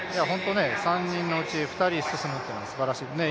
３人のうち２人進むというのはすばらしいですね。